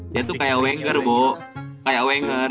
dia tuh kayak wenger bu kayak wenger